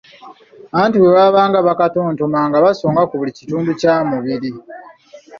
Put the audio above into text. Anti bwe baabanga bakatontoma nga basonga ku buli kitundu kya mubiri.